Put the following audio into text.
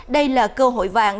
đây là cơ hội vàng